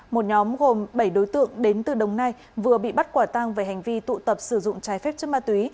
một nhóm gồm bảy đối tượng đến từ đồng nai vừa bị bắt quả tang về hành vi tụ tập sử dụng trái phép chất ma túy